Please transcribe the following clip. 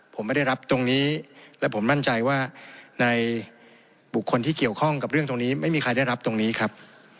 ผมไม่ได้รับตรงนี้และผมมั่นใจว่าในบุคคลที่เกี่ยวข้องกับเรื่องตรงนี้ไม่มีใครได้รับตรงนี้ครับ